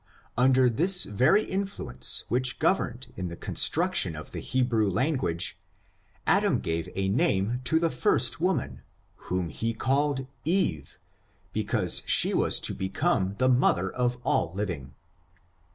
Under this very influence, which governed in the construction of the Hebrew language, Adam gave a name to the first woman, whom he called Eve, because she was to become the mother of all living.